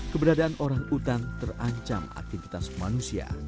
keberadaan orangutan terancam aktivitas manusia